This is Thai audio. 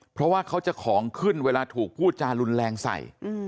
เพราะว่าเขาจะของขึ้นเวลาถูกพูดจารุนแรงใส่